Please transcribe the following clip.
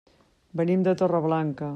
Venim de Torreblanca.